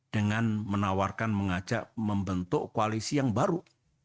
dengan menawarkan mengajak membentuk koalisi yang baru